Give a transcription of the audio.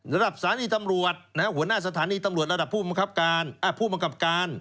ระดับสถานีตำรวจหัวหน้าสถานีตำรวจระดับผู้บังกับการ